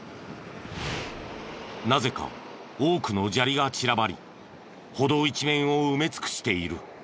なぜか多くの砂利が散らばり歩道一面を埋め尽くしている。